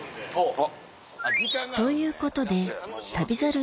ということで『旅猿』